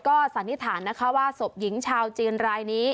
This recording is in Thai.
ก็สันนิษฐานนะคะว่าศพหญิงชาวจีนรายนี้